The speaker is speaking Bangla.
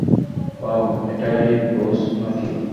ওয়াও, এটাই ব্রুস নাকি?